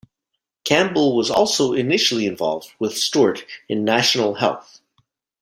Campbell was also initially involved with Stewart in National Health.